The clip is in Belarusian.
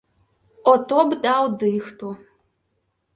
О то б даў дыхту!